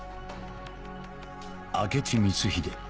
明智光秀